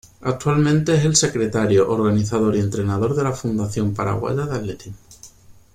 Actualmente es el secretario, organizador y entrenador de la Federación Paraguaya de Atletismo.